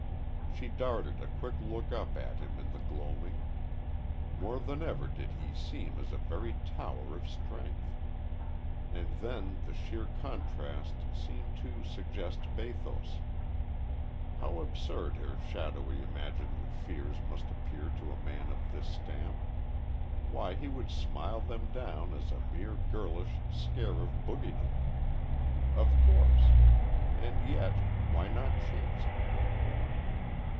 She darted a quick look up at him in the gloaming. More than ever did he seem as a very tower of strength. And then the sheer contrast seemed to suggest bathos. How absurd her shadowy imaginative fears must appear to a man of this stamp. Why, he would smile them down as a mere girlish scare of bogydom. Of course. And yet why not chance it?